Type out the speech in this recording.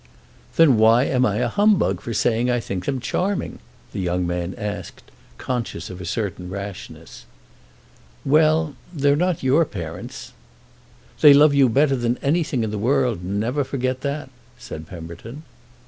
"Then why am I a humbug for saying I think them charming?" the young man asked, conscious of a certain rashness. "Well—they're not your parents." "They love you better than anything in the world—never forget that," said Pemberton.